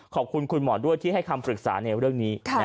ขอบคุณคุณหมอด้วยที่ให้คำปรึกษาในเรื่องนี้